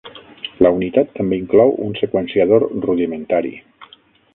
La unitat també inclou un seqüenciador rudimentari.